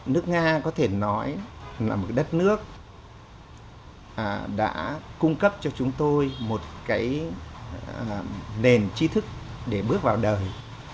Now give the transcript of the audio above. nước nga có thể nói là một đất nước đã cung cấp cho chúng tôi một cái nền chi thức để bước vào đời